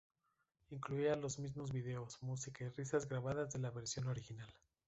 Incluía los mismo videos, música y risas grabadas de la versión original.